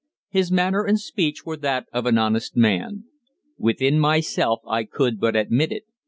His manner and speech were that of an honest man. Within myself I could but admit it.